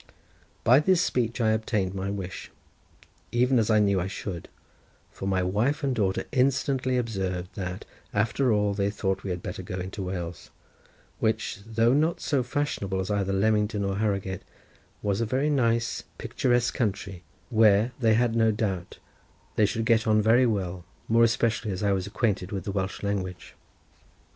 By this speech I obtained my wish, even as I knew I should, for my wife and daughter instantly observed, that, after all, they thought we had better go into Wales, which, though not so fashionable as either Leamington or Harrowgate, was a very nice picturesque country, where, they had no doubt, they should get on very well, more especially as I was acquainted with the Welsh language.